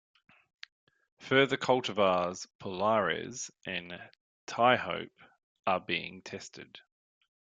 Further cultivars 'Polares' and 'Tihope' are being tested.